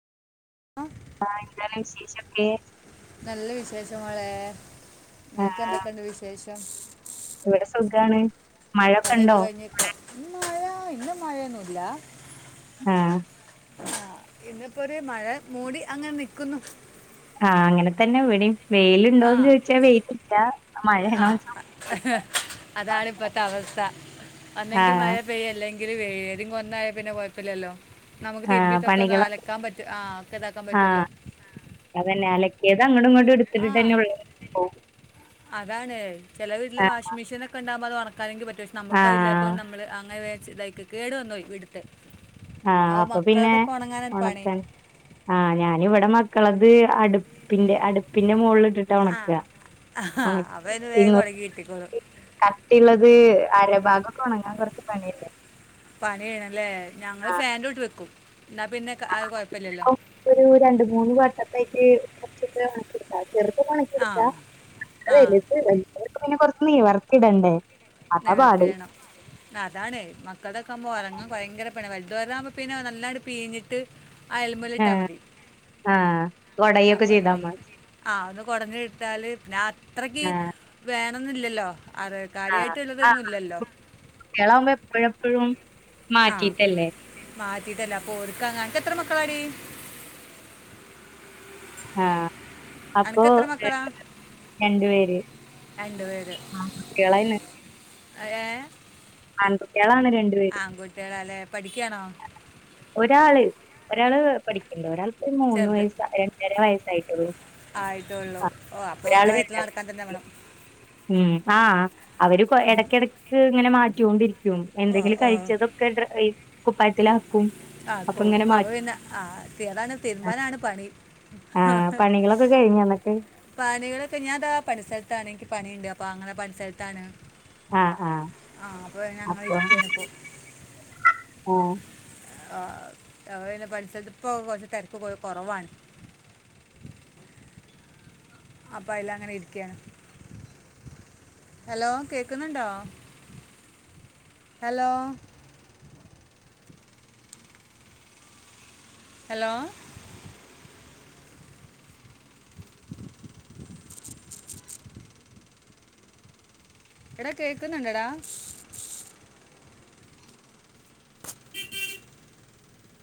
ആ, ആഹ ന്താണ് വിശേഷൊക്കെ നല്ല വിശേഷമാളെ ആ നിനക്ക് എന്തൊക്കെയണ്ട് വിശേഷം ഇവിടെ സുഖാണ് മഴൊക്കെണ്ടോ അവടെ ആ ഇന്ന് മഴയൊന്നുല്ല ആഹ ആഹ ഇന്നപ്പോരു മഴ മൂടി അങ്ങനെ നിക്കുന്നു ആഹ അങ്ങനെ തന്നെ വിടേം ആ വെയിയിലുണ്ടോന്ന് ചോദിച്ചാ വെയിലില്ല ആ മഴയണോ മഴയില്ല അതാണ് ഇപ്പത്തെ അവസ്ഥ ഒന്നെങ്കി മഴ ആഹ് പെയ്യല്ലെങ്കി ഏതെ ഒന്നായാ പിന്നെ കൊയപ്പില്ലല്ലോ നമുക്ക് ആഹ് തിരുമ്പിത്തൊക്കെ ഒന്ന് പണികള് അലക്കാൻ പറ്റ ആ ഒതാക്കാൻ പറ്റല്ലോ ഏതങ്ങടും ഇങ്ങടും ആ അതാണ് ചെല വീട്ടില് വാഷിംഗ്‌ മെഷീനൊക്കെ ഉണ്ടാകുമ്പോ [unintelligible] മക്കാലെങ്കി പറ്റും പക്ഷെ മക്ക് അത് ആഹ് ഇല്ലാത്തൊണ്ട് നമ്മള് അങ്ങനെ വ ഇതക്ക് കേടു വന്നോയി ഇടുത്തെ ആഹ അപ്പൊ പിന്നെ പണി ഉണക്കൻ ആഹ ഞാനിവിടെ മക്കളത് അടുപ്പിന്റെ അടുപ്പിന്റെ മോൾള് ട്ട ആ ഒണക്ക ഒണക് അവന് ഇ വേഗം ഉടങ്ങി കിട്ടിക്കോളും [unintelligible] കട്ടീള്ളത് അരഭാഗൊക്കെ ഒണങ്ങാൻ കൊറച്ച് പണില്ലേ പണിയാണല്ലേ ഞങ്ങള് ഫാനിന്റോട്ടില് വെക്കും എന്നാൽ പിന്നെ ക- അത് കുഴപ്പമില്ലല്ലോ [unintelligible] ഒരു രണ്ട് മൂന്ന് വർഷക്കായിട്ട [unintelligible] ചെറുതൊക്കെ ആ ഒണക്കിയെട്ക്കാ ആ വലുത് വലിയവരത് കൊറച്ച് നിവറുത്തിടണ്ടേ നിവർത്തിയിടണം അതാണ് മക്കളതൊക്കാമ്പോ ഒണങ്ങാൻ ഭയങ്കര വലുതൊരാമ്പ പിന്നെ നല്ലായിട്ട് പീഞ്ഞിട്ട് അയൽമല് ഇട്ടാ ആഹ് മതി ആഹ് കൊടയൊക്കെ അപ്പ ചെയ്താ മതി. ആ ഒന്ന് കൊടഞ്ഞ ഇട്ടാല് പിന്നെ അത്രക്ക് വേ ന്നുല്ലല്ലോ ആ ആ കുട്ടിളാമ്പോ എപ്പോഴെപ്പോഴും ആഹ മാ കിട്ടീട്ടല്ല അപ്പൊ ഓരുക്കാങ്ങ നക്ക് എത്ര മക്കളാടി ആഹ അപ്പൊ അനക്ക് എത്ര മക്കളാ രണ്ടു പേര് രണ്ട് പേര് ആങ്കുട്ട്യോളാന്ന് ഏ ആങ്കുട്ട്യോളാണ് രണ്ടു പേര് ആൺകുട്ടികളല്ലേ പഠിക്കുകയാണോ ഒരാള് ഒരാള് പഠിക്കണ്ട് ഒരാൾക്ക് മൂന്ന് വയസ രണ്ടര വയസ്സായിട്ടുള്ളു ആയിട്ടൊള്ളു ഓ അപ്പൊ ഓരോ വയത്തില് നടക്കാൻ തന്നെ ക്ലാസ്സില് വേണം ഉം ആ അവര് ഇടക്കിടക്ക് ഇങ്ങനെ മാറ്റൊണ്ടിരിക്ക ക്കും ഓ എന്തെങ്കിലും ഓ കഴിച്ചതൊക്കെ ഡ്ര കുപ്പായത്തിലാക്കും അപ്പൊ ആപ്പോ ഇങ്ങനെ അവ മാറ്റും പിന്നെ ആ താണ് തീരുമ്പാനാണ് പണി ഹ ആഹ് ഹ പണികളൊക്കെ കഴിഞ്ഞോ എന്നിട്ട് പണികളൊക്കെ ഞാൻതാ പണി സ്ഥലത്താണെ പണിയുണ്ട് അപ്പൊ അങ്ങനെ പണി സ്ഥലത്താണ് ആ അ അപ്പൊ [unintelligible] ഓ ആ അപൊപിന്ന പണിസ്ഥലത്ത് ഇപ്പോ കുറച്ച് തിരക്കു കൊറവാണ് [inaudible] അപ്പൊ അല അങ്ങനെ ഇരിക്കയാണ് ഹലോ കേക്ക്ന്ന്ണ്ടോ ഹലോ ഹലോ എടാ കേക്ക്ന്ന്ണ്ട ടാ